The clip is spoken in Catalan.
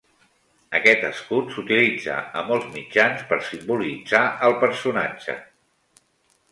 Aquest escut s'utilitza a molts mitjans per simbolitzar el personatge.